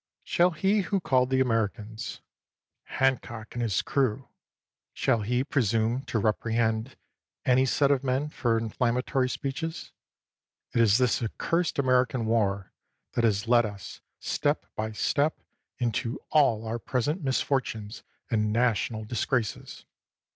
Shall he who called the Americans 30 FOX "Hancock and his crew," — shall he presume to reprehend any set of men for inflammatory speeches? It is this accursed American war that has led us, st^p by step, into all our present mis fortunes and national disgraces.